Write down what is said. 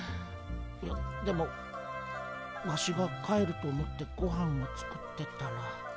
いやでもワシが帰ると思ってごはんを作ってたら。